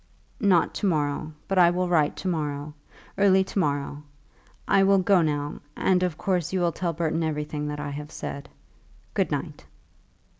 "Not to morrow; but I will write to morrow, early to morrow. I will go now, and of course you will tell Burton everything that I have said. Good night."